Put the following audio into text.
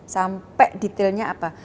sampai detailnya apa